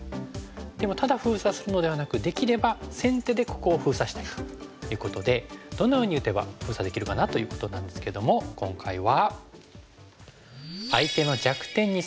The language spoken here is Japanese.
でもただ封鎖するのではなくできれば先手でここを封鎖したいということでどのように打てば封鎖できるかなということなんですけども今回は。